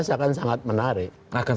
dua ribu sembilan belas akan sangat menarik